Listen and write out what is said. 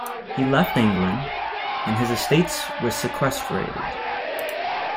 He left England, and his estates were sequestrated.